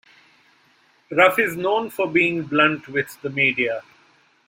Ruff is known for being blunt with the media.